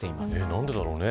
何でだろうね。